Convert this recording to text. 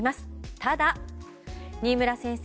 ただ、新村先生